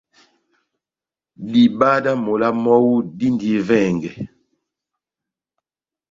Diba dá mola mɔ́wu dindi vɛngɛ.